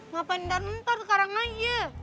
ngapain ntar ntar sekarang aja